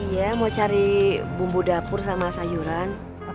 ya mau cari bumbu dapur sama sayuran